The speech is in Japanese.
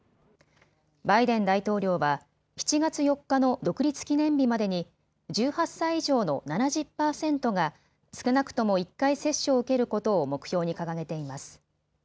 バイデン大統領は７月４日の独立記念日までに１８歳以上の７０％が少なくとも１回接種を受けることを目標に掲げています。